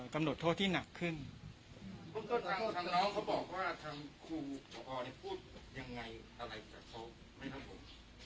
กำหนดโทษที่หนักขึ้นเพราะก็ทางทางน้องเขาบอกว่าทางครูประออนี่พูดยังไงอะไรกับเขาไม่ทั้งผม